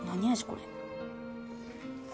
これ。